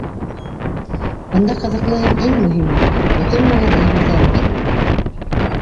Бында ҡыҙыҡлы һәм, иң мөһиме, көтөлмәгән әйберҙәр бик күп.